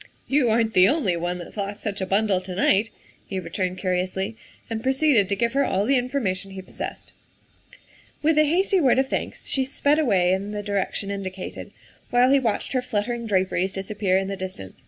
" You aren't the only one that's lost such a bundle to night," he returned curiously, and proceeded to give her all the information he possessed. With a hasty word of thanks she sped away in the direction indicated, while he watched her fluttering draperies disappear in the distance.